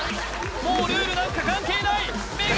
もうルールなんか関係ない目黒